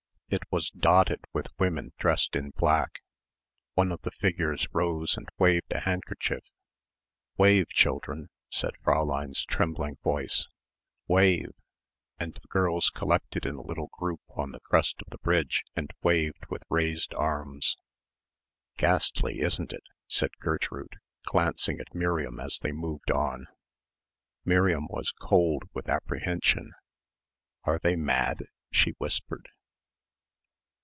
It was dotted with women dressed in black. One of the figures rose and waved a handkerchief. "Wave, children," said Fräulein's trembling voice, "wave" and the girls collected in a little group on the crest of the bridge and waved with raised arms. "Ghastly, isn't it?" said Gertrude, glancing at Miriam as they moved on. Miriam was cold with apprehension. "Are they mad?" she whispered.